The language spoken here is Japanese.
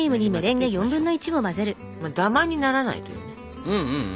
ダマにならないというか。